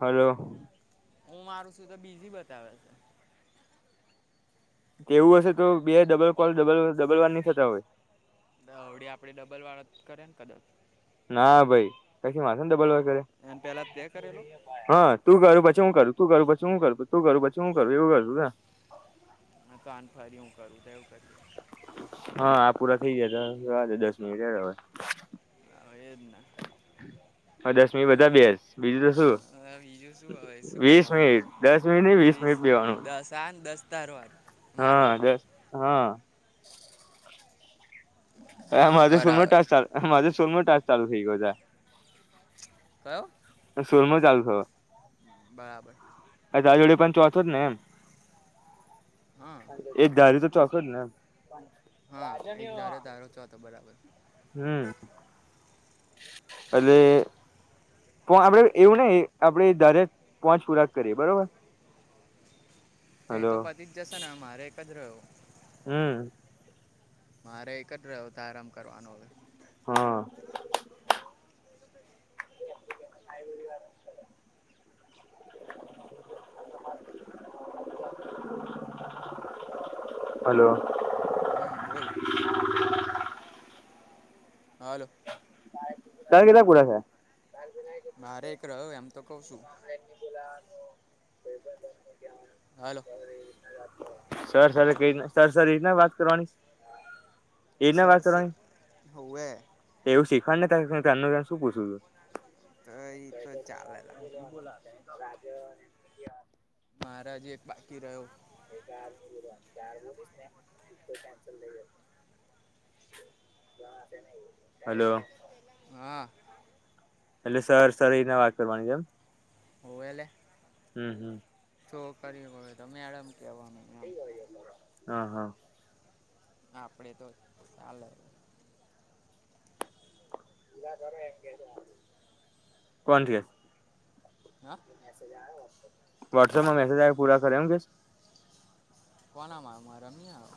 Hello હું મારું સુ તો બીઝી બતાવે છે. કેવું હશે તો બે ડબલ કોલ ડબલ વાન નહી થતા હોય- - ડી આપડે ડબલ વાળા કરે ને કદાચ- - ના ભાઈ પછી માસો ને ડબલ વાર કરે એને પહેલાં તે કરેલો હા તું કરું પછી- - પછીુ કરું તું કરું પછી શું કર તું કરું પછી શું કરું એવું કરું કે- - હ તોન ફરી હું કરું એવું કર. હા આ પૂરા થઇ જયા જો દસ મિનિટ હવે. હવે એ જ ને હ દસમી બધા બેસ બીજું તો શું. હવે બીજું શું હવે શું વીસ કરવાનું મિનિટ દસ મિનિટ નહી વીસ મિનિટ બેવાનું દસ આ દસ તાર વાર- - હા હા. હ માજ સોલ ન બરાબર ટચાલ માધ સોલ ન ટચ ચાલુ થઇ ગયો - - કયો સોલમો ચાલુ થયો બરાબર તા જોડે પણ- - ચોથો ને એમ હા એક ધારી તો ચોથો જ ને એમ? હા એક રાજાની ધારો હ- તારો ચોથો બરાબર - હમ અને- - પણ આપડે એવું નહી આપડે ધરે પોંચ પુરા કરીએ બરોબર. એ હલો તો પતિ જ જશે ને મારે એક જ રહ્યો? હમ. મારે એક જ રહ્યો ત આરામ કરવાનો હવે. હા [inaudible] હલો હમ બોલ હાલું તણ કેધ પુડા છે મારે એક રહ્યો એમ તો કઉ છું [unintelligible] બોલાનો હાલો. સર, સર, કે રી સર, સર એ રીતના વાત કરવાની. એ રીતના સર વાત કરવાની. હોવે એવું શીખવાડને તાર, હુ તારનો તન શું પૂશું શું. [inaudible] તો એ તો ચાલેલા મહારાજ એક બાકી રહ્યો [inaudible] હલો હા એટલે સર સર એને વાત કરવાની છેમ હોવે એલે હમ હમ છોક હોય તો મેડમ કહેવાનું એમ હા હા આપડે તો ચાલે કોણથી હઅ. [unintelligible] વોટ્સઅપમાં મેસેજ આયો પૂરા કર એમ કેશ. કોના માં? મારામ ની આયો.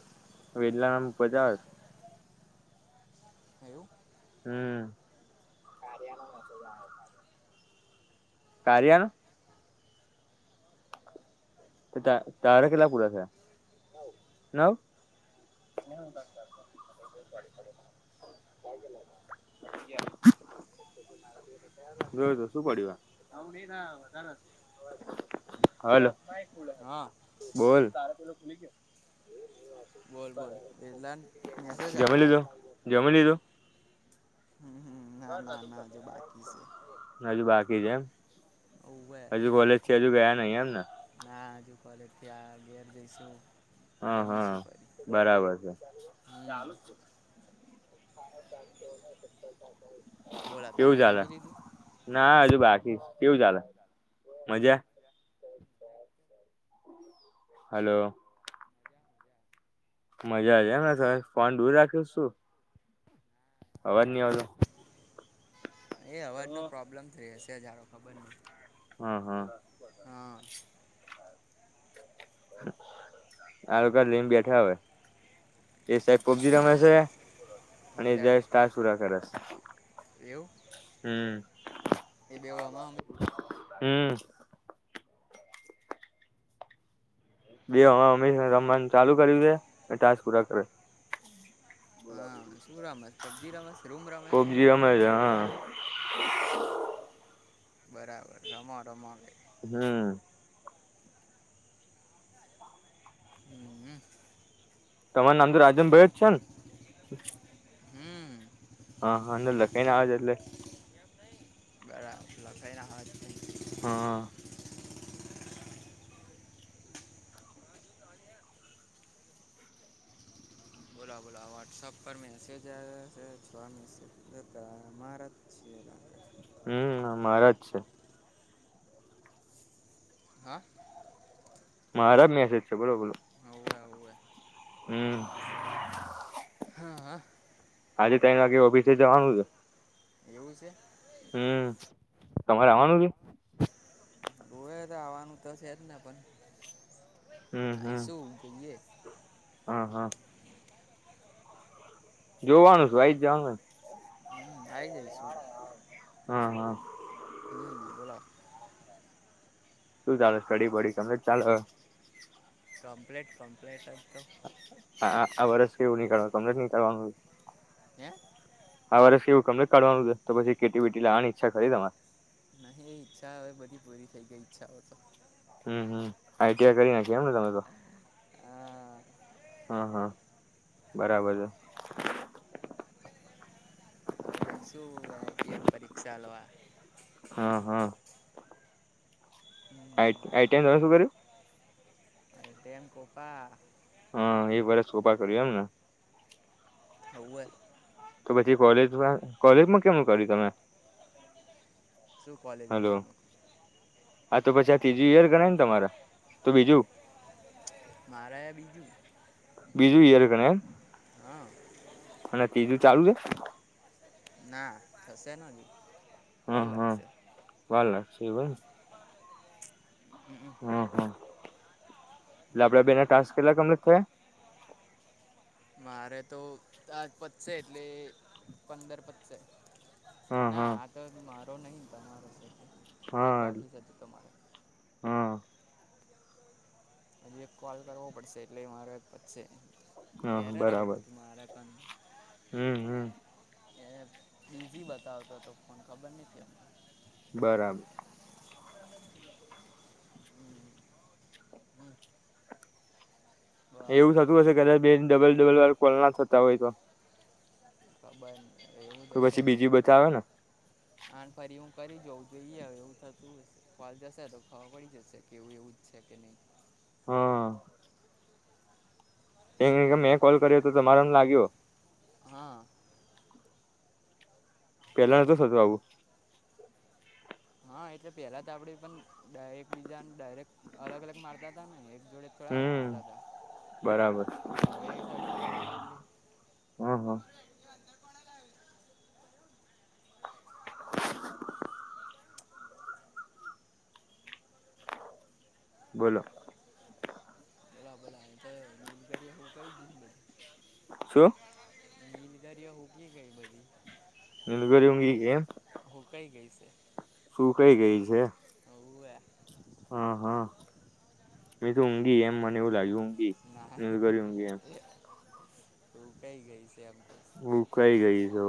વેદલામ બતાવેછ. હેવુ. હમ. કાર્યાનો મેસેજ આયો કાર્યાનો. કાર્યાનો? તે તા તારે કેટલા પૂરા થયા? નવ. નવ. [unintelligible] [unintelligible] [inaudible] જો તો શું પડ્યું આ? નવની થયા વધાર હશે. હલો. હન. બોલ. તાર પેલો ખુલી ગ્યો? બોલ, બોલ. એતલાન મેસેજ આયો જમી એમ. લીધું જમી લીધું હમ હમ ના ના ના હજુ બાકી છે [unintelligible] હજુ બાકી છે એમ. હજુ કોલેજ થી હજુ ગયા નઈ એમ ન. ત્યા ઘેર જઈશું. હન, જમીશું હન, ફરી બરાબર છે. હમ બોલો [unintelligible] કેવું તમે ચાલે? જમી લીધું ના હજુ બાકી. કેવું ચાલે? મજા. હલો. મજા જ એમ ને સર. ફોન દૂર રાખ્યો શું? અવાજ ની આવતો. એ અવાજનો પ્રોબ્લેમ રેહશે જ હારો ખબર નઈ. હન, હન. આ લોકા લઈન બેઠયા હવે. એ સાઈબ પબજી રમે શે. અને જસ એક્ઝેક્ટ તા સુુરા કરસ. એવું હમ. એ બેવ હામા-હામી હમ બેવ હોમા-હોમી રમવાન ચાલુ કર્યું છે, અન ટાસ્ક પૂરા કરે. બોલો, હા બીજું શું કરો? રમે છે પબજી રમે છે રૂમ રમે છે પબજી રમે છે. હન. બરાબર રમા રમ આવે. હમ્મ. હમ તમારું નામ તો રાજનભાઈ જ છે ને? હમ હા હા અંદર લખાઈને આવે છે એટલે બરા લખાએને ને હા હા. બોલો, બોલો. વોટ્સએપ પર મેસેજ આયા છે. છ મેસેજ અતા. તમારા છે હમ, મારા જ છે. હઅ. મારા મેસેજ છે, બોલો, બોલો. હોવે હોવે હમ. હા હા આજે તઈન વાગે ઓફિસે જવાનું છે. એવું છે. હમ, તમાર આવાનું છે. હોવે તે આવાનું તો છે જ ને પણ, હમ આઈ હમ શું જઈએ. હા, હા. જોવાનું શું આઈ જ જાવને. હમ. આઈ જઈશું. હન, હન. હમ્મ, બોલો. શું ચાલે સ્ટડી બડી કહે ચાલે. કમપ્લેન્ટ કમપ્લેન્ટ અજ. હા. આ વર્ષ કેવું નીકળવાનું [unintelligible] નીકળવાનું? હે આ વર્ષ એવું [unintelligible] કાઢવાનું છે, તો પછી કેટી વેટી લાવવાની ઈચ્છા ખરી તમારી? નહીં ઈચ્છા હવે બધી પૂરી થઈ ગઈ ઈચ્છાઓ તો. હમ્મ-હમ્મ. આઈ ટી આઈ કરી નાખી એમ ને તમે તો. હા હા, હા બરાબર છે. હવે જઈશું એ ટી એમ પરીક્ષા લેવા. હા, હા. હમ, આઈટ હા [unintelligible] શું કર્યું? [unintelligible] હા. એ [unintelligible] શોભા કર્યું એમને. હવે તો પછી કોલેજમાં-કોલેજમાં કેમ કર્યું તમે? શું કોલેજમાં કેમ કર્યું? આ તો પછી આ ત્રીજી યર ગણાય હે ને તમારે? તો બીજું? મારે બીજું. બીજું યર ગણાય એમ? હા અને તીજું ચાલુ છે? ના થશે [inaudible] વાર હમ હમ લાગશે. [unintelligible] હમ, હા, હા. પહેલા આપડા હમ. બે ના ટાકસ કેટલા કમ્પલીટ થયા? મારે તો આ જ પતશે એટલે પંદર પતશે. હમ ના, હમ આ તો મારો નહીં. એક હા બાકી છે તો તમારો. હમ હજી એક કોલ કરવો પડશે એટલે મારે પતશે. હા એરર આવતું બરાબર. હતું મારા કન હમ્મ-હમ્મ. એ બીઝી બતાવતો તો ફોન, ખબર નહીં કેમ. બરાબર. હમ બા એ એવું તો થતું હશે કદાચ બેયન ડબલ-ડબલ વાર કોલ ના થતા હોય તો. [unintelligible] જ તો હશે પછી ને બીજી બતાવે ને. આન ફરી હું કરી જોઉં [unintelligible] કોલ જશે તો ખબર પડી જશે કે એવું-એવું જ છે કે નહીં. હા. કેમ કે મેં કોલ કર્યો તો તમારામાં લાગ્યો. હા. પેલા નહોતું થતું આવું. હા એટલે પહેલા તો આપડે પણ ડાયરેક્ટ બીજાને ડાયરેક્ટ અલગ-અલગ મારતા તા તા, ને એક જોડે [unintelligible] હમ કરતાં તા. બરાબર હવે [unintelligible] કરીએ એટલે [unintelligible] હા, હા. બોલો. [inaudible] શું? [unintelligible] બધી. [unintelligible] એમ. હુકાય ગઈ સે. સુકાય ગઈ સે. હા, હા. મે તો ઊંઘી એમ મને એવું લાગ્યું ઊંઘી, [unintelligible] ઊંઘી એમ. હુકાઈ ગઈ સે એમ. કે છે હકાઈ ગઈ છે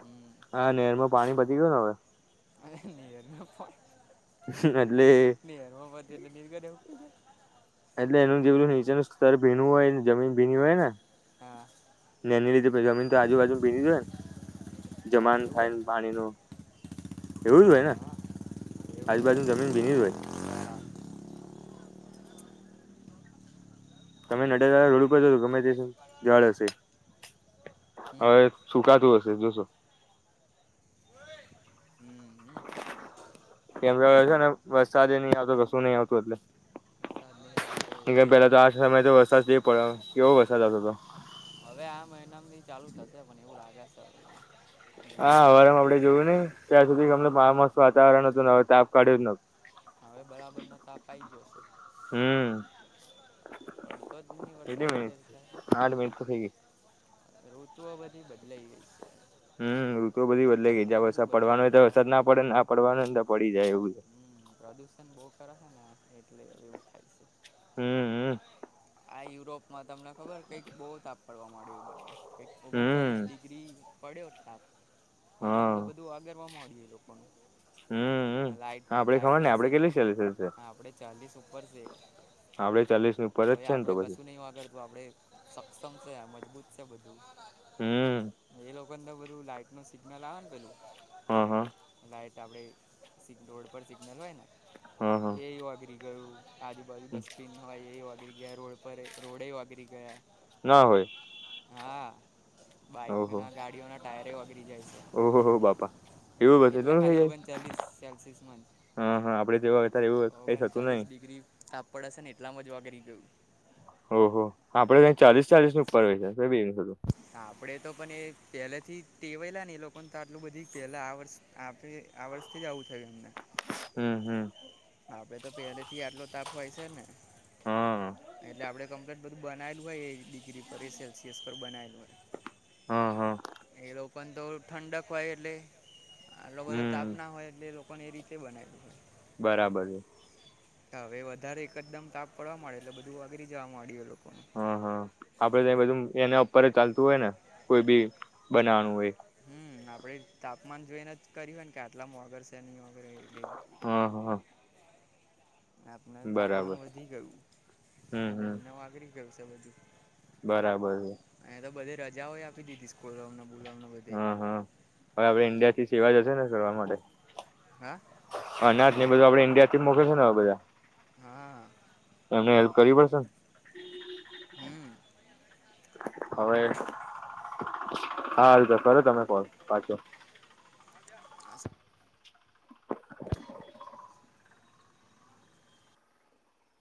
હમ હા નરમાં પાણી બચી ગયું ને હવે હ એને હ અલી દલ નનીંદ ઘ એટલે એનું જેલું નીચેનું સ્તર ભીનું હોય ને જમીન ભીની હોય ને જાય ને એની લીધે જમીન તો આજુબાજુ ભીની જો હોય ને હા હા જમાન એવું હોય થાય પાણી નું એવું જ હોય હા ને હા એવું હોય આજુબાજુ એમ જમીન ભીની જ હોય હા તમે નડ રોલું કરજો તો ગમે તે જવાળ હશે હમ હવે સુકાતું હશે જોશો હમ હમ કેમ છે ને વરસાદે નહ આવતોશું નહી આવતું એટલે વરસાદ નહીં આવતો કે એટલે જ પેલા તો ને આ સમય તો વરસાદ જ પડ્યો કેવો વરસાદ આવતો હતો હવે આ મહિનામાંથી ચાલુ થશે પણ એવું લાગે છે હવે મને હા જુલાઈમાં જ હવારમ આપડે પડશે જોયું ને ત્યાં સુધી અમ મસ્ત વાતાવરણ હતું ન હવે તાપ કાઢ્યો જ ન હવે બરાબર નો તાપ આવી ગયો છે પડતો જ નહીં કેલી વરસાદ મિનટ ફેર આઠ મિનટ તો થઈ ગ રોજુ આ બધી બદલાઈ ગઈ છે હમ ઋતુ બધી બદલે ગઈ ચક્ર જ્યા બધું વરસાદ પડવાનો હોય બદલાયું તો વરસાદ ના પડે ને આ પડવાનો હોયને તો પડે હમ્મ પ્રદુષણ બહુ કરે છે ને એટલે એવું થાય છે. હમ્મ હમ્મ આ યુરોપમાં તમને ખબર કઈક બહુ તાપ પડવા માંડ્યું, બાજુ કઈક ઓગણચાલીસ હમ ડિગ્રી પડ્યો તાપ એટલામ તો બધું આગરવા મળડી્યું લોકોનું હમ્મ લાઇટ આપડે ખબર લાઇટનો ને આપડે સી કેટલી છેલેશે હા આપણે ચાલીસ ઉપપર છે આપડે ચાલીસ ન તો એ આપડણે કશું નય વાગળ તો આપડે સક્ષમ છે મજબૂત છે બધું હમ એ લોકો ને તો બધું લાઈટ ન સિગ્નલ આવે ને પેલું હા, હા કે આપણે રોડ પર સિગ્નલ હોય ને હા હા એ અગ્રી ગયું આજુબાજુ ડસ્ટબિન હોય એ વાગરી ગયા રોડ પર રોડ વાગરી ગયા ના હોય બાઈક ના ગાડીઓ ના ટાયરે વગરી જાય છે ઓહહ બાપા એવું બધ તો એટલા થઈ ખાલી જાય ઓગણચાલીસ હા હા આપડે તોવા ઓગણ ચાલીસ ડિગ્રી તાપ પડ હશે ને એટલા મજવા કરી ગયું ઓહ આપડે કઈ ચાલીસ ચાલીસ ન ઉપર હોય છે થું પહેલા થી ટેવાયલા ને એ લોકોને તો આટલું બધી પહેલા આ વર્ષ આ વર્ષથી જ આવું થયું એમને હમ હમ આપડે તો પહેલે થી આટલો તાપ હોય છે ને હા એટલે આપડે કમ બનાયલું હોય એ ડિગ્રી પર એ સેલ્સિયસ પર બનાયેલું હોય. હમ્મ હમ્મ એ તો ઠંડક વાય એટલે આટલો બધો તાપ હમ ન હોય એટલે લોકોને એવી [unintelligible] બરાબર છે હવે વધારે એકદમ તાપ પડવા માંડે એટલે બધું વાગળરી જવા માંડ્યું એ લોકો હા, હા આપડે ત બધું એને ઉપર ચાલતું હોય, ને કોઈ બી બનાવવાનું હોય હમ્મ આપળે તાપમાન જોઈને જ કર્યું હોય ને કે આટલામ વગર છે, નહીં હોય હમ્મ, હા આપને તાપમાન બરાબર વધી ગયું હમ એટલે હમ અમને વાગરી ગયું છે, બધું બરાબર છે રજાઓ આપી દીધી સ્કલોમને હમ હા હવે આપડ ઈન્ડિયા થી સેવા જશે ને કરવા માટે હા એ બધું આપે ઇન્ડિયાથીમ મોકે છે ને બધા હા એમને હેલ્પ કરી પડશે હમ હવે હાલ તો કરો તમે કોલ પાછો હા